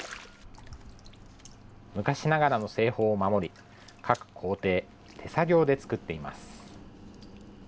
昔ながらの製法を守り、各工程、手作業で作っています。